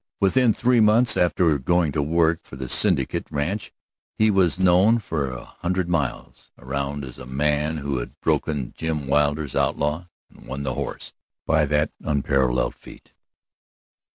Within three months after going to work for the Syndicate ranch he was known for a hundred miles around as the man who had broken Jim Wilder's outlaw and won the horse by that unparalleled feat.